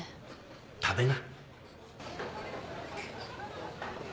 食べな